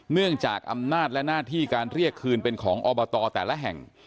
เนื่องจากอำนาจและหน้าที่การเรียกคืนเป็นของอบตแต่ละแห่ง